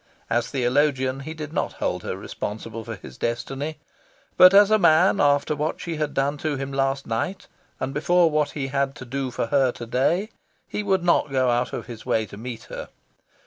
As theologian, he did not hold her responsible for his destiny. But as a man, after what she had done to him last night, and before what he had to do for her to day, he would not go out of his way to meet her.